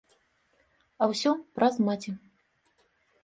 А ўсё праз маці.